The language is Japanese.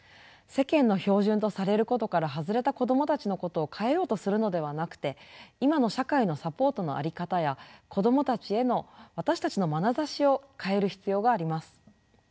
世間の標準とされることから外れた子どもたちのことを変えようとするのではなくて今の社会のサポートの在り方や子どもたちへの私たちのまなざしを変える必要があります。